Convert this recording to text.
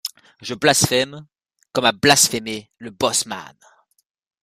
Je blasphème, comme a blasphémé le bosseman!...